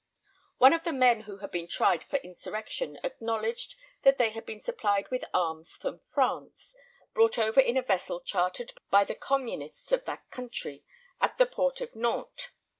One of the men who had been tried for insurrection acknowledged that they had been supplied with arms from France, brought over in a vessel chartered by the communists of that country, at the port of Nantes.